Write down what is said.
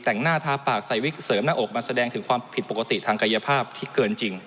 แต่งหน้าทาปากใส่วิกเสริมหน้าอกมาแสดงถึงความผิดปกติทางกายภาพที่เกินจริง